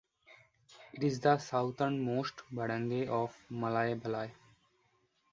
It is the southernmost barangay of Malaybalay.